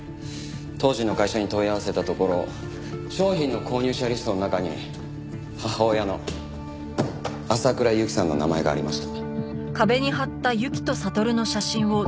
当時の会社に問い合わせたところ商品の購入者リストの中に母親の浅倉雪さんの名前がありました。